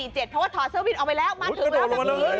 เพราะว่าถอดเสื้อวินออกไปแล้วมาถึงแล้วแบบนี้